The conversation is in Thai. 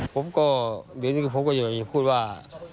ผมก็เดี๋ยวนี้ผมก็อยากจะพูดว่า